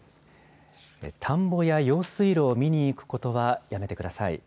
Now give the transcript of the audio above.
田んぼや用水路を見に行くことはやめてください。